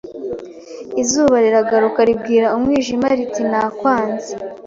Izuba riragaruka ribwira umwijima riti nakwanze